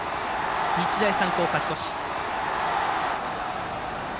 日大三高、勝ち越し。